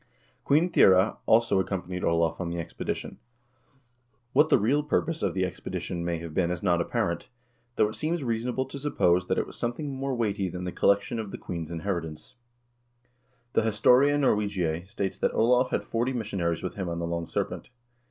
Queen Thyre also accompanied Olav on the expedition. What the real purpose of the expedition may nave been is not apparent, though it seems reasonable to suppose that it was something more weighty than the collection of the queen's inherit 196 HISTORY OF THE NORWEGIAN PEOPLE ance. The "Historia Norwegiae" 1 states that Olav had forty mis sionaries with him on the "Long Serpent."